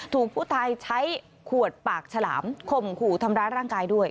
ถูกผู้ตายใช้ขวดปากฉลามข่มขู่ทำร้ายร่างกายด้วย